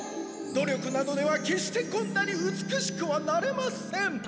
努力などではけっしてこんなに美しくはなれません！